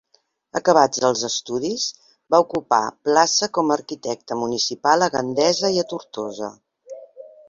Acabats els estudis, va ocupar plaça com a arquitecte municipal a Gandesa i a Tortosa.